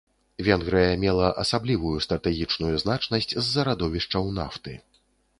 Венгрыя мела асаблівую стратэгічную значнасць з-за радовішчаў нафты.